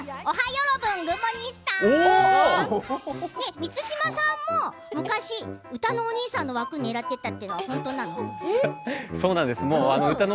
満島さんも昔歌のお兄さんの枠をねらっていたというのは本当なの？